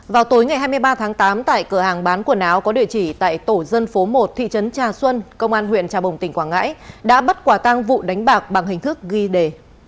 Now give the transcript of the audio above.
vào tối ngày hai mươi ba tháng tám tại cửa hàng bán quần áo có địa chỉ tại tổ dân phố một thị trấn trà xuân công an huyện trà bồng tỉnh quảng ngãi đã bắt quả tang vụ đánh bạc bằng hình thức ghi đề